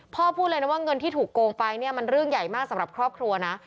พูดเลยนะว่าเงินที่ถูกโกงไปเนี่ยมันเรื่องใหญ่มากสำหรับครอบครัวนะ